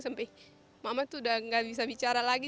sampai mama tuh udah gak bisa bicara lagi